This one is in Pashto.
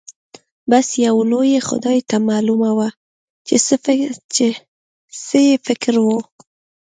بس يو لوی خدای ته معلومه وه چې څه يې فکر و.